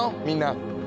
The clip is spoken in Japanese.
みんな！